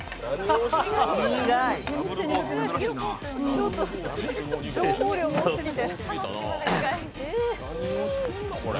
ちょっと情報量が多すぎて。